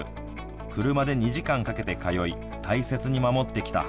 車で２時間かけて通い大切に守ってきた。